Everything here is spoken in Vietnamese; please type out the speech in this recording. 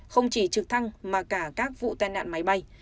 không chỉ trực thăng mà cả các vụ tai nạn máy bay